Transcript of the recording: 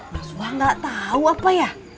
mas wah gak tahu apa ya